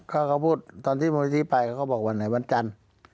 เขาก็พูดตอนที่มูลนิธิไปเขาบอกวันไหนวันจันทร์